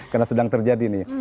karena sedang terjadi